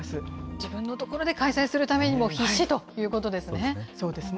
自分の所で開催するためにも、必死ということですね。